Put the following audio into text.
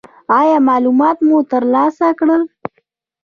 ایا معلومات مو ترلاسه کړل؟